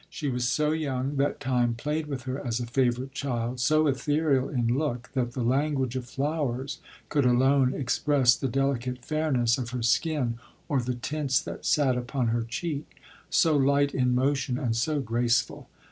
She was so young, that time played with her as a favourite child ; so eth trial in look, that the language of flowers could alone express the delicate fair ness of her skin, or the tints that sat upon her cheek : so light in motion, and so graceful.